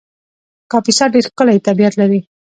کاپیسا ډېر ښکلی طبیعت لري